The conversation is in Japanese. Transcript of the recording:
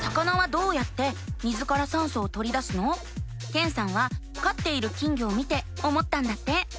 けんさんはかっている金魚を見て思ったんだって。